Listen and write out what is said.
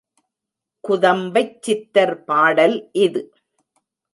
குதம்பைச் சித்தர் பாடல் இது.